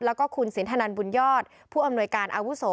แล้วก็คุณสินทนันบุญยอดผู้อำนวยการอาวุโส